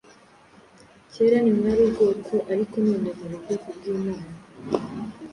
kera ntimwari ubwoko, ariko none muri ubwoko bw’imana: